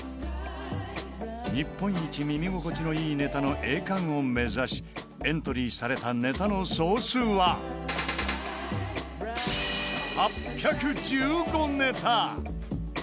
日本一耳心地のいいネタの栄冠を目指し、エントリーされたネタの総数は８１５ネタ。